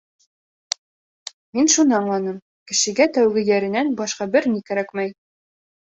Мин шуны аңланым: кешегә тәүге йәренән башҡа бер ни кәрәкмәй.